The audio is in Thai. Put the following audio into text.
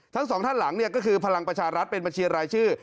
ทั้งสองท่านหลังเนี่ยก็คือพลังประชารัฐเป็นบัญชีรายชื่อ